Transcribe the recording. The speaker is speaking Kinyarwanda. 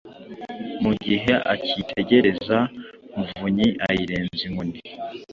mu gihe akiyitegereza Muvunyi ayirenza inkoni